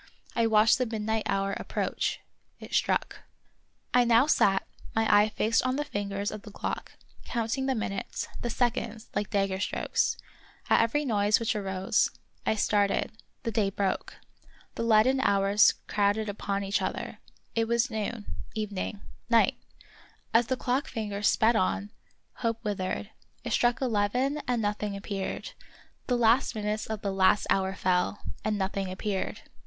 I watched the midnight hour approach. It struck. I now sat, my eye fixed on the fingers of the clock, counting the minutes, the seconds, like dagger strokes. At every noise which arose I 50 The Wonderful History started up; the day broke. The leaden hours crowded upon each other. It was noon — even ing — night; as the clock fingers sped on, hope withered ; it struck eleven and nothing appeared ; the last minutes of the last hour fell, and nothing appeared.